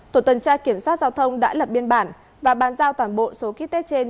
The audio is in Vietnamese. tổ tuần tra kiểm soát giao thông đã lập biên bản và bàn giao toàn bộ số kích tết trên